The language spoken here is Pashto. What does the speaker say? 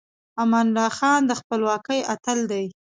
امان الله خان د خپلواکۍ اتل دی.